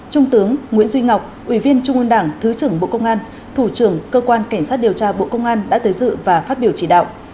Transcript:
trung tướng nguyễn duy ngọc ủy viên trung ương đảng thứ trưởng bộ công an thủ trưởng cơ quan cảnh sát điều tra bộ công an đã tới dự và phát biểu chỉ đạo